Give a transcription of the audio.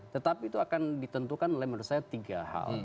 tetapi itu akan ditentukan oleh menurut saya tiga hal